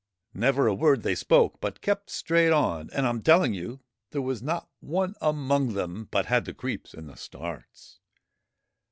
Never a word they spoke, but kept straight on ; and, I 'm telling you, there was not one among them but had the creeps and the starts.